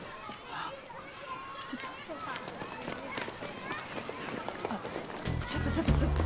あっちょっとちょっとちょっとちょっと。